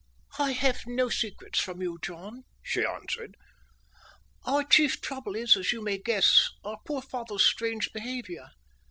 "I have no secrets from you, John," she answered. "Our chief trouble is, as you may guess, our poor father's strange behaviour.